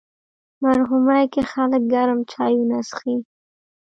مرغومی کې خلک ګرم چایونه څښي.